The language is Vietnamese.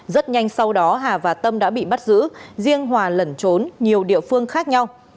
rất nhanh sau đó hà và tâm đã bị bắt giữ riêng hòa lẩn trốn nhiều địa phương khác nhau